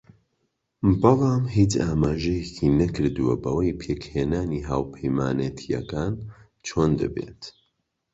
بەڵام هیچ ئاماژەیەکی نەکردووە بەوەی پێکهێنانی هاوپەیمانێتییەکان چۆن دەبێت